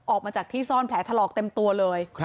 ออกมาจากที่ซ่อนแผลถลอกเต็มตัวเลย